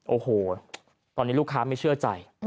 โอ้โหตอนนี้ลูกค้าไม่เชื่อใจ